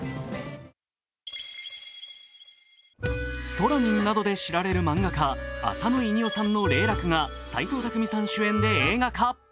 「ソラニン」などで知られる漫画家、浅野いにおさんの「零落」が斎藤工さん主演で映画化。